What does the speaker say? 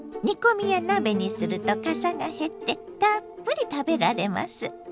煮込みや鍋にするとかさが減ってたっぷり食べられます。